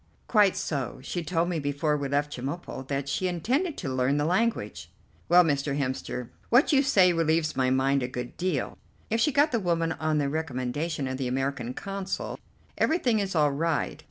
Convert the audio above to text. "Quite so; she told me before we left Chemulpo that she intended to learn the language." "Well, Mr. Hemster, what you say relieves my mind a good deal. If she got the woman on the recommendation of the American Consul, everything is all right.